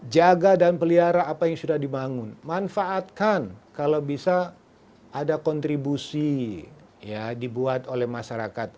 jaga dan pelihara apa yang sudah dibangun manfaatkan kalau bisa ada kontribusi dibuat oleh masyarakat